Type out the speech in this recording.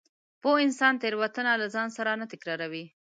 پوه انسان تېروتنه له ځان سره نه تکراروي.